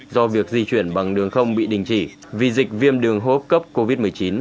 do việc di chuyển bằng đường không bị đình chỉ vì dịch viêm đường hô hấp cấp covid một mươi chín